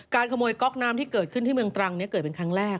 ขโมยก๊อกน้ำที่เกิดขึ้นที่เมืองตรังเกิดเป็นครั้งแรก